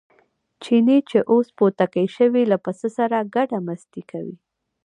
چیني چې اوس بوتکی شوی له پسه سره ګډه مستي کوي.